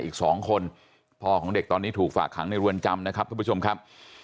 อีกสองคนพ่อของเด็กตอนนี้ถูกฝากขังในรวนจำนะครับทุกผู้ชมครับ